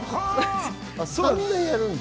３年やるんだ。